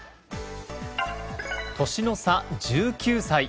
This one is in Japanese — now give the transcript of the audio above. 年の差１９歳。